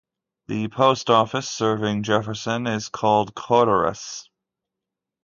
The post office serving Jefferson is called Codorus.